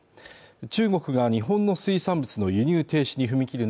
中国が日本の水産物の輸入停止に踏み切る